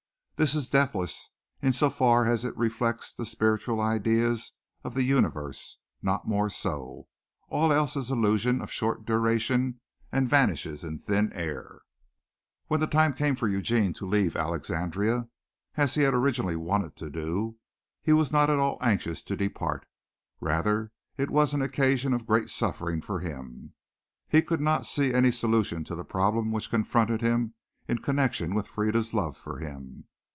This is deathless in so far as it reflects the spiritual ideals of the universe not more so. All else is illusion of short duration and vanishes in thin air. When the time came for Eugene to leave Alexandria as he had originally wanted to do, he was not at all anxious to depart; rather it was an occasion of great suffering for him. He could not see any solution to the problem which confronted him in connection with Frieda's love for him.